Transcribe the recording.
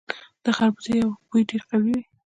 د خربوزې بوی ډیر قوي وي.